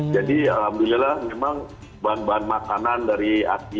jadi alhamdulillah memang bahan bahan makanan dari asia masuk juga ke sini